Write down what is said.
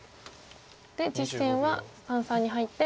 実戦は三々に入って。